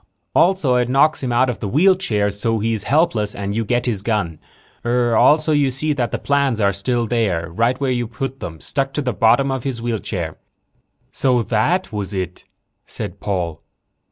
Also it knocks him out of the wheelchair so he's helpless and you get his gun. Also you see that the plans are still there right where you put them, stuck to the bottom of his wheelchair." "So that was it," said Paul.